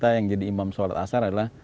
saya minta yang jadi imam solat asar adalah